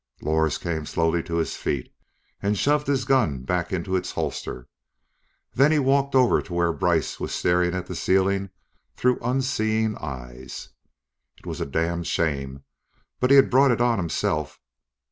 Lors came slowly to his feet and shoved his gun back into its holster; then he walked over to where Brice was staring at the ceiling through unseeing eyes. It was a damned shame, but he had brought it on himself.